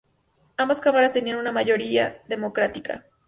Ambas cámaras tenían una mayoría Democrática.